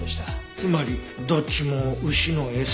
つまりどっちも牛の餌？